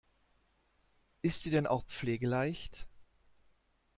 Ist sie denn auch pflegeleicht?